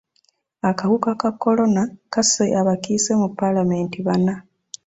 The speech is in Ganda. Akawuka ka kolona kasse abakiise mu paalamenti bana.